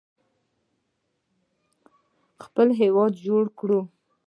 خپل هیواد جوړ کړو.